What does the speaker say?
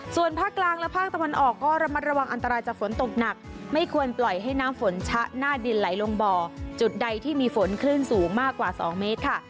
ส่วนภาคกลางและภาคตะวันออกก็ระมัดระวังอันตรายจากฝนตกหนักไม่ควรปล่อยให้น้ำฝนชะหน้าดินไหลลงบ่อจุดใดที่มีฝนคลื่นสูงมากกว่า๒เมตรค่ะ